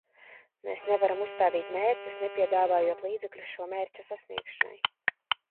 Mēs nevaram uzstādīt mērķus, nepiedāvājot līdzekļus šo mērķu sasniegšanai.